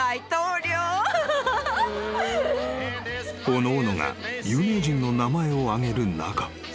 ［おのおのが有名人の名前を挙げる中］